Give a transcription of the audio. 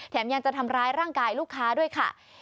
ยังจะทำร้ายร่างกายลูกค้าด้วยค่ะ